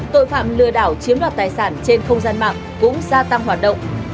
tội phạm lừa đảo chiếm đoạt tài sản trên không gian mạng cũng gia tăng hoạt động